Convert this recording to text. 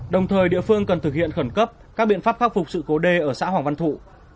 đồng thời địa phương cần thực hiện khẩn cấp các biện pháp khắc phục sự cố đê ở xã hoàng văn thụ